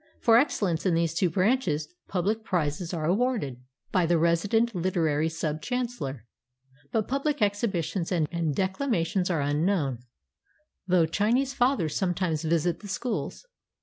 For ex cellence in these two branches, public prizes are awarded 220 WHEN I WENT TO SCHOOL IN CHINA by the resident literary sub chancellor. But public ex hibitions and declamations are unknown, though Chin ese fathers sometimes visit the schools.